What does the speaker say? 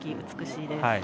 美しいです。